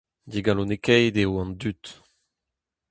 Digalonekaet eo an dud.